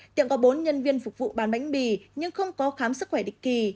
tiệm có bốn nhân viên phục vụ bán bánh mì nhưng không có khám sức khỏe định kỳ